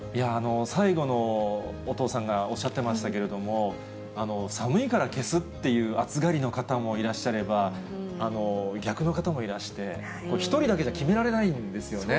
最後のお父さんがおっしゃってましたけれども、寒いから消すっていう、暑がりの方もいらっしゃれば、逆の方もいらして、１人だけじゃ決められないんですよね。